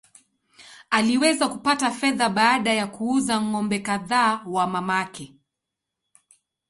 Aliweza kupata fedha baada ya kuuza ng’ombe kadhaa wa mamake.